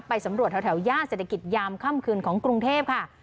สำรวจแถวย่านเศรษฐกิจยามค่ำคืนของกรุงเทพค่ะ